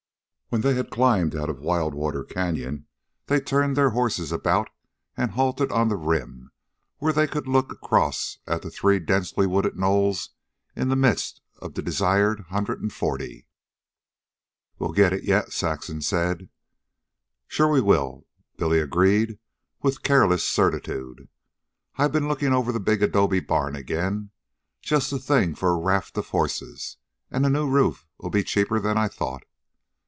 When they had climbed out of Wild Water Canyon they turned their horses about and halted on the rim where they could look across at the three densely wooded knolls in the midst of the desired hundred and forty. "We'll get it yet," Saxon said. "Sure we will," Billy agreed with careless certitude. "I've ben lookin' over the big adobe barn again. Just the thing for a raft of horses, an' a new roof'll be cheaper 'n I thought.